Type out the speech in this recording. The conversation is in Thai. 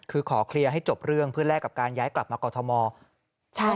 คือขอเคลียร์ให้จบเรื่องเพื่อแลกกับการย้ายกลับมากรทม